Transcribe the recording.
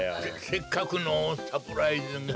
せせっかくのサプライズが。